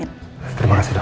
terima kasih dok